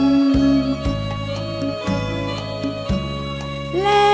ไม่ใช้ค่ะ